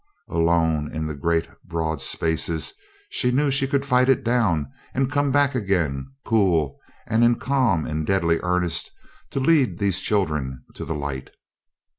Alone in the great broad spaces, she knew she could fight it down, and come back again, cool and in calm and deadly earnest, to lead these children to the light.